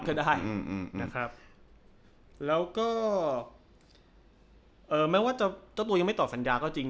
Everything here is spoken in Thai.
ก็ได้อืมนะครับแล้วก็เอ่อแม้ว่าจะเจ้าตัวยังไม่ตอบสัญญาก็จริง